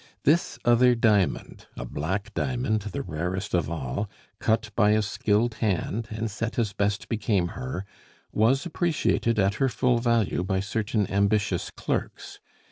This other diamond a black diamond, the rarest of all cut by a skilled hand, and set as best became her, was appreciated at her full value by certain ambitious clerks.